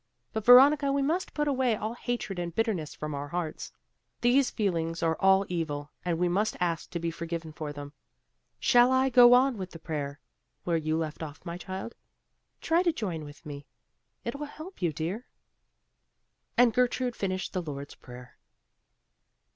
But Veronica, we must put away all hatred and bitterness from our hearts; these feelings are all evil, and we must ask to be forgiven for them. Shall I go on with the prayer, where you left off, my child? Try to join with me; it will help you, dear." And Gertrude finished the Lord's prayer.